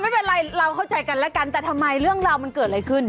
ไม่เป็นไรเราเข้าใจกันแล้วกันแต่ทำไมเรื่องราวมันเกิดอะไรขึ้น